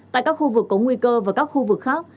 tại các khu vực có nguy cơ và các khu vực khác